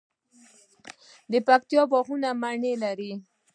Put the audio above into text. د پکتیا باغونه مڼې لري.